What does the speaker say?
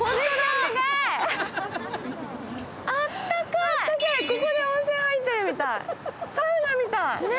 あったかい、ここで温泉に入ってるみたい、サウナみたい。